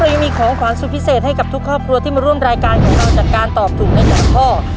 ยังมีของขวานสุดพิเศษให้กับทุกครอบครัวที่มาร่วมรายการของเราจากการตอบถูกใน๓ข้อ